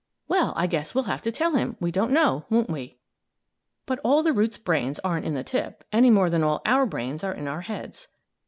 Well, I guess we'll have to tell him we don't know, won't we? But all the root's brains aren't in the tip, any more than all our brains are in our heads.